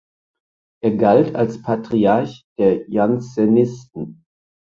Er galt als Patriarch der Jansenisten.